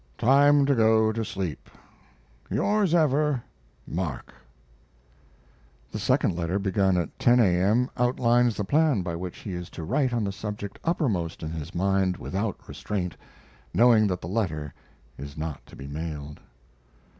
Time to go to sleep. Yours ever, MARK The second letter, begun at 10 A.M., outlines the plan by which he is to write on the subject uppermost in his mind without restraint, knowing that the letter is not to be mailed.